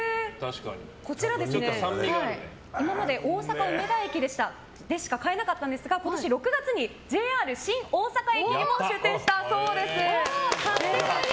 こちら、今まで大阪梅田駅でしか買えなかったんですが今年６月にＪＲ新大阪駅にも出店したそうです！